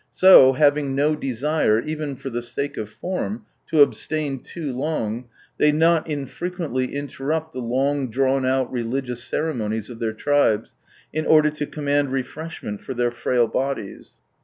So, having no desire, even for the sake of form, to abstain too long, they not iiifrequently interrupt the long drawn out religious cere monies of their tribes, in order to command refreshment for their frail bodies.